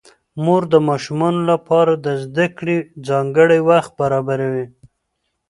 مور د ماشومانو لپاره د زده کړې ځانګړی وخت برابروي